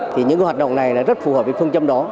thì những hoạt động này rất phù hợp với phương châm đó